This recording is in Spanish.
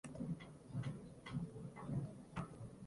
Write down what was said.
Fue una persona comprometida socialmente.